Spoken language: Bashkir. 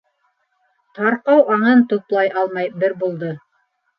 Тарҡау аңын туплай алмай бер булды.